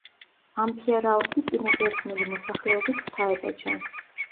ამფიარაოსი წინაბერძნული მოსახლეობის ღვთაება ჩანს.